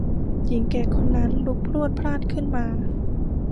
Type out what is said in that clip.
หญิงแก่คนนั้นลุกพรวดพราดขึ้นมา